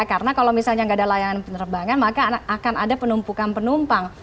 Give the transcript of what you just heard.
karena kalau misalnya nggak ada larangan penerbangan maka akan ada penumpukan penumpang